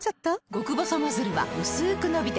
極細ノズルはうすく伸びて